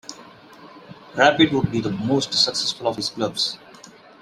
Rapid would be the most successful of these clubs.